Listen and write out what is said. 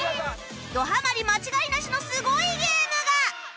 ドハマり間違いなしのすごいゲームが！